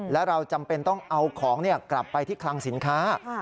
และเราจำเป็นต้องเอาของกลับไปที่คลังสินค้า